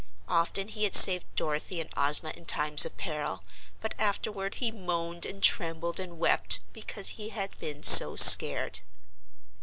Often he had saved Dorothy and Ozma in times of peril, but afterward he moaned and trembled and wept because he had been so scared.